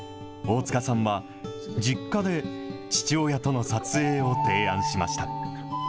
大塚さんは、実家で父親との撮影を提案しました。